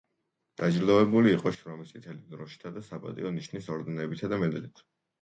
დაჯილდოვებული იყო შრომის წითელი დროშისა და „საპატიო ნიშნის“ ორდენებითა და მედლით.